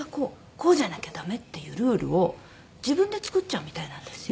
「こうじゃなきゃダメ」っていうルールを自分で作っちゃうみたいなんですよ。